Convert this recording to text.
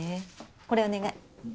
これお願い。